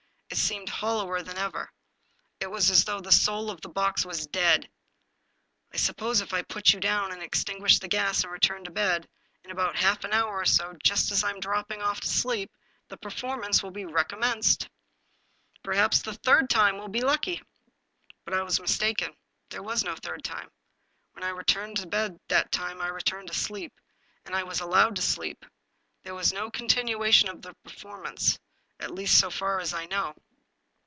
It seemed hollower than ever. It was as though the soul of the box was dead. " I suppose if I put you down, and extinguish the gas and return to bed, in about half an hour or so, just as I am dropping off to sleep, the per formance will be recommenced. Perhaps the third time will be lucky." But I was mistaken — ^there was no third time. When I returned to bed that time I returned to sleep, and I was allowed to sleep; there was no continuation of the per formance, at least so far as I know.